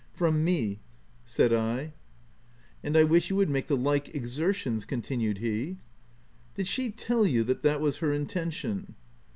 " From me," said I. 176 THE TENANT ?f And I wish you would make the like exer tions," continued he. " Did she tell you that that was her inten tion